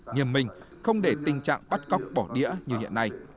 nghiêm minh không để tình trạng bắt cóc bỏ đĩa như hiện nay